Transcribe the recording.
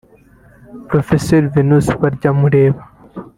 Prof Venansius Baryamureeba